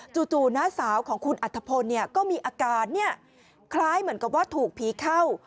จน้าสาวของคุณอัฐพลก็มีอาการคล้ายเหมือนกับว่าถูกผีเข้า